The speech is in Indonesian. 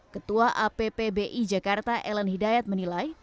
ketua appbi jakarta ellen hidayat menilai